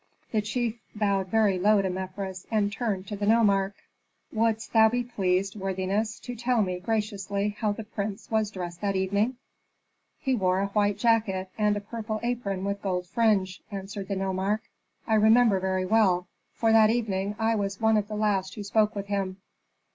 The chief bowed very low to Mefres, and turned to the nomarch, "Wouldst thou be pleased, worthiness, to tell me, graciously, how the prince was dressed that evening?" "He wore a white jacket, and a purple apron with gold fringe," answered the nomarch. "I remember very well, for that evening I was one of the last who spoke with him."